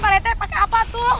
pak retek pakai apa tuh